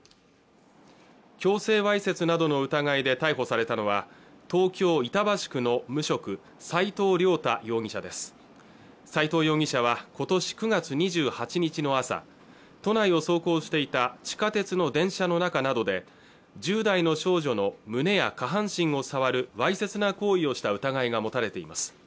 強制わいせつなどの疑いで逮捕されたのは東京板橋区の無職斉藤涼太容疑者です斉藤容疑者は今年９月２８日の朝都内を走行していた地下鉄の電車の中などで１０代の少女の胸や下半身を触るわいせつな行為をした疑いが持たれています